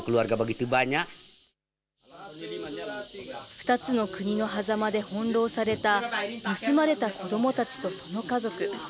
２つの国のはざまで翻弄された、盗まれた子どもたちとその家族。